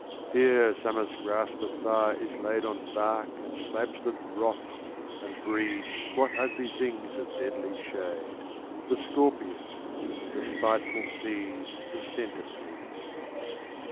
Here Summer's grasp of fire is laid On bark and slabs that rot, and breed Squat ugly things of deadly shade, The scorpion, and the spiteful seed Of centipede.